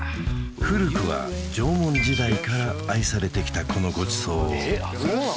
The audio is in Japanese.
古くは縄文時代から愛されてきたこのごちそうをえっそうなの？